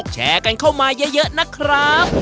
แชร์กันเข้ามาเยอะนะครับ